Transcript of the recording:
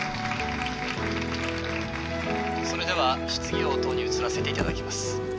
それでは質疑応答に移らせていただきます